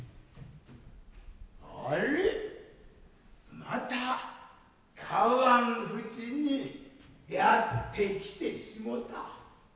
あれまた川のふちにやってきてしもた。